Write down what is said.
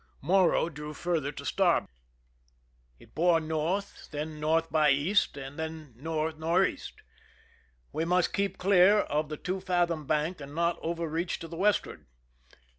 Morro drew farther to starboard. It bore north, 90 THE RUN IN then north by east, then north northeast. We must keep clear of the two fathom bank and not over reach to the westward.